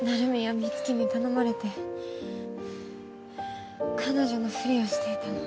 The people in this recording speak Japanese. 美月に頼まれて彼女のふりをしていたの。